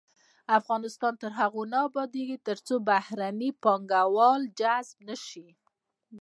افغانستان تر هغو نه ابادیږي، ترڅو بهرني پانګوال جذب نشي.